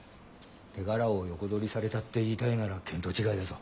手柄を横取りされたって言いたいなら見当違いだぞ。